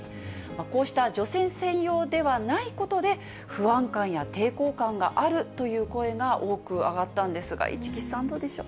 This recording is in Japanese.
こうした女性専用ではないことで、不安感や抵抗感があるという声が多く上がったんですが、市來さん、どうでしょう？